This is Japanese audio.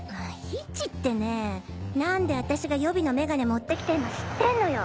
位置ってねぇ何で私が予備のメガネ持って来てんの知ってんのよ。